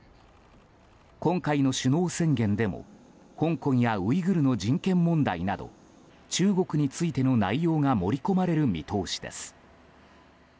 今回の首脳宣言でも香港やウイグルの人権問題など中国についての内容が盛り込まれる見通しです。